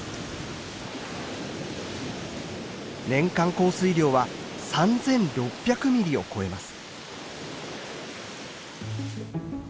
年間降水量は３，６００ミリを超えます。